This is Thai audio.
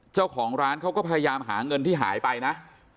เจ้าของร้านเขาก็พยายามหาเงินที่หายไปนะ